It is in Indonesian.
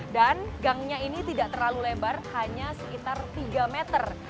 dan gangnya ini tidak terlalu lebar hanya sekitar tiga meter